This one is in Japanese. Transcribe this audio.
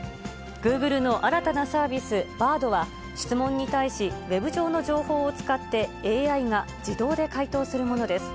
グーグルの新たなサービス、Ｂａｒｄは、質問に対し、ウェブ上の情報を使ってＡＩが自動で回答するものです。